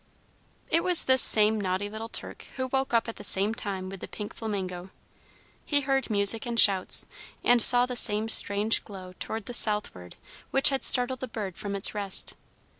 It was this same naughty little Turk who woke up at the same time with the pink flamingo. He heard music and shouts, and saw the same strange glow toward the southward which had startled the bird from its rest.